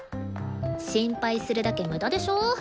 心配するだけ無駄でしょ？